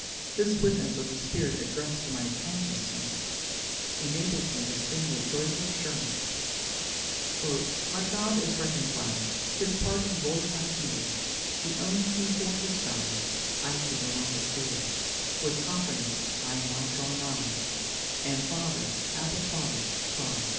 This witness of the Spirit addressed to my consciousness enables me to sing with joyful assurance: "My God is reconciled; His pardoning voice I hear: He owns me for His child; I can no longer fear: With confidence I now draw nigh, And, 'Father, Abba, Father,' cry."